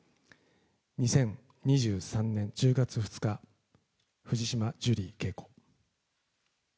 ２０２３年１０月２日、藤島ジュリー景子。